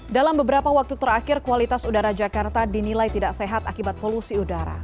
dalam beberapa waktu terakhir kualitas udara jakarta dinilai tidak sehat akibat polusi udara